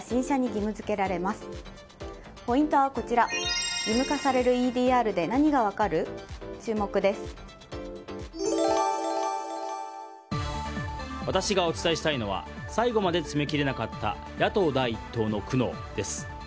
義務化されるＥＤＲで私がお伝えしたいのは最後まで詰めきれなかった野党第１党の苦悩です。